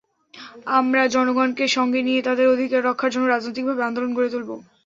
আমরা জনগণকে সঙ্গে নিয়ে তাঁদের অধিকার রক্ষার জন্য রাজনৈতিকভাবে আন্দোলন গড়ে তুলব।